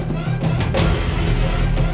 sampai jumpa lagi